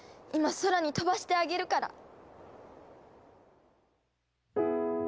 今空に飛ばしてあげるから。